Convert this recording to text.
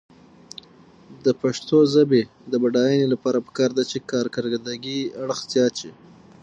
د پښتو ژبې د بډاینې لپاره پکار ده چې کارکردي اړخ زیات شي.